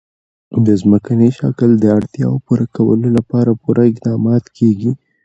د ځمکني شکل د اړتیاوو پوره کولو لپاره پوره اقدامات کېږي.